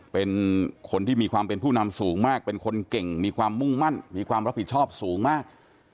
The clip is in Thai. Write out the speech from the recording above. เป็นคนที่มีความเป็นผู้นำสูงมากเป็นคนเก่งมีความมุ่งมั่นมีความรับผิดชอบสูงมาก